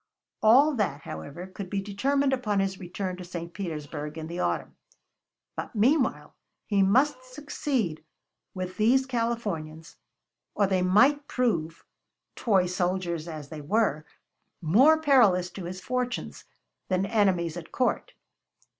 All that, however, could be determined upon his return to St. Petersburg in the autumn. But meanwhile he must succeed with these Californians, or they might prove, toy soldiers as they were, more perilous to his fortunes than enemies at court.